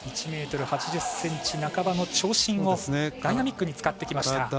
１ｍ８０半ばの長身をダイナミックに使ってきました。